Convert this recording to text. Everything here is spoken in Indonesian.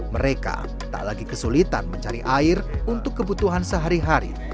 mereka tak lagi kesulitan mencari air untuk kebutuhan sehari hari